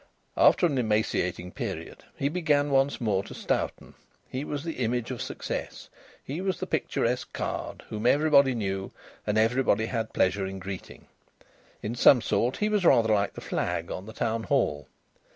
After an emaciating period he began once more to stouten. He was the image of success. He was the picturesque card, whom everybody knew and everybody had pleasure in greeting. In some sort he was rather like the flag on the Town Hall.